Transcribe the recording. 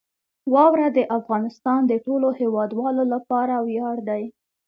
واوره د افغانستان د ټولو هیوادوالو لپاره ویاړ دی.